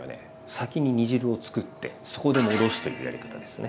先に煮汁をつくってそこで戻すというやり方ですね。